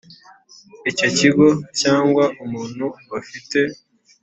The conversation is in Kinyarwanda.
Icyo kigo cyangwa umuntu bafite